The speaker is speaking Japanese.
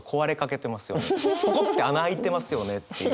ポコって穴開いてますよねっていう。